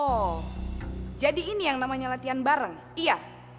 oh jadi ini yang namanya latihan bareng iya